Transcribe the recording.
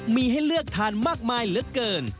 มีให้เลือกทานมากมายเหลือเกิน